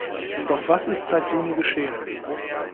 Doch was ist seit Juni geschehen?